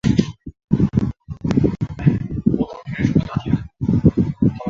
杨贤为台湾明郑时期中末期的文臣。